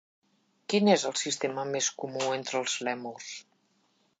Quin és el sistema més comú entre els lèmurs?